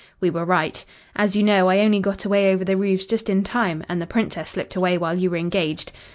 We were right. As you know, I only got away over the roofs just in time, and the Princess slipped away while you were engaged.